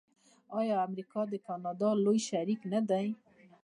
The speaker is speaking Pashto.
آیا امریکا د کاناډا لوی شریک نه دی؟